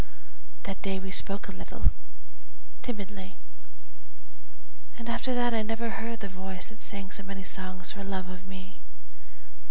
That day we spoke a little, timidly, And after that I never heard the voice That sang so many songs for love of me.